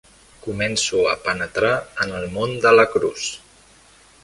Començo a penetrar en el món de la Cruz.